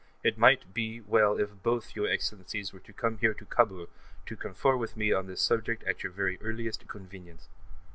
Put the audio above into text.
It might be well if both your Excellencies were to come here to Kabul to confer with me on this subject at your very earliest convenience.